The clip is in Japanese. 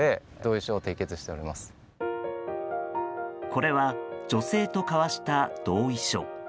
これは女性と交わした同意書。